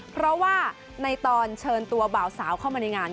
เพราะว่าในตอนเชิญตัวบ่าวสาวเข้ามาในงาน